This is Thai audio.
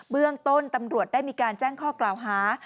เรื่องต้นตำรวจได้มีการแจ้งข้อกล่าวหา